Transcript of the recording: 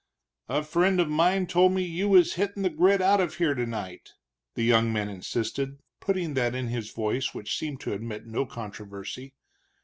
"A friend of mine told me you was hittin' the grit out of here tonight," the young man insisted, putting that in his voice which seemed to admit no controversy.